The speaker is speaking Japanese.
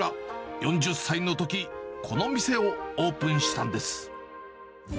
４０歳のとき、この店をオープンしたんです。